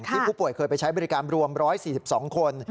ผู้ป่วยเคยไปใช้บริการรวม๑๔๒คน